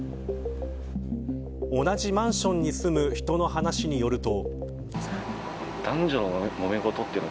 同じマンションに住む人の話によると。